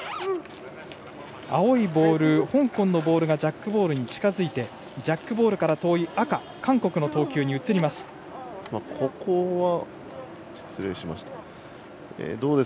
青いボール、香港ボールがジャックボールに近づいてジャックボールから遠い赤、韓国の投球に移ります。